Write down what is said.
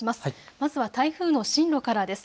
まずは台風の進路からです。